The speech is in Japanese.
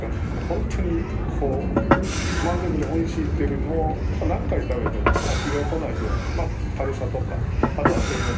ホントにこう満足でおいしいっていうよりも何回食べても飽きがこないような軽さとかあと栄養バランスとか。